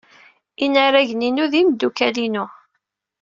Inaragen-inu d imeddukal-inu.